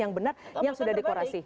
yang benar yang sudah dekorasi